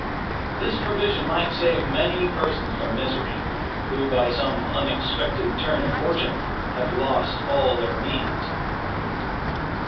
This provision might save many persons from misery, who by some unexpected turn of fortune have lost all their means.